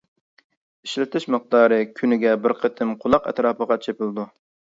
ئىشلىتىش مىقدارى: كۈنىگە بىر قېتىم قۇلاق ئەتراپىغا چېپىلىدۇ.